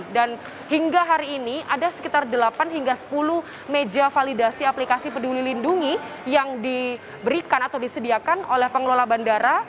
dan hingga hari ini ada sekitar delapan hingga sepuluh meja validasi aplikasi peduli lindungi yang diberikan atau disediakan oleh pengelola bandara